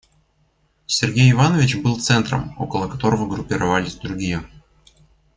Сергей Иванович был центром, около которого группировались другие.